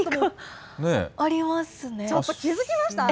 ちょっと気付きました？